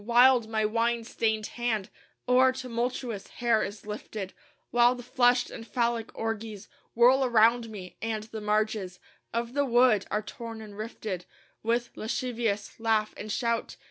Wild my wine stained hand O'er tumultuous hair is lifted; While the flushed and Phallic orgies Whirl around me; and the marges Of the wood are torn and rifted With lascivious laugh and shout.